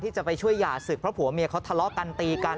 จะไปช่วยหย่าศึกเพราะผัวเมียเขาทะเลาะกันตีกัน